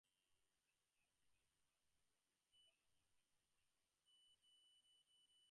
The airfield was converted to Mira Loma Detention Center.